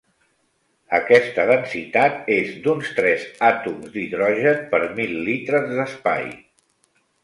Aquesta densitat és d'uns tres àtoms d'hidrogen per mil litres d'espai.